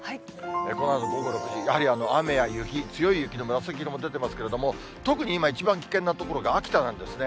このあと午後６時、やはり雨や雪、強い雪の紫色も出てますけれども、特に今、一番危険な所が秋田なんですね。